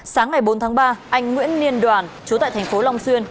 sáng ngày bốn tháng ba anh nguyễn liên đoàn chú tại thành phố long xuyên